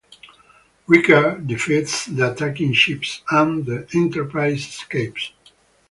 Riker defeats the attacking ships and the "Enterprise" escapes.